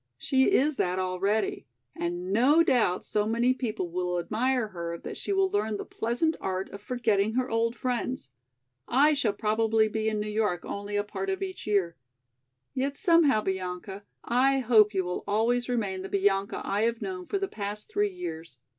She is that already. And no doubt so many people will admire her that she will learn the pleasant art of forgetting her old friends. I shall probably be in New York only a part of each year. Yet somehow, Bianca, I hope you will always remain the Bianca I have known for the past three years.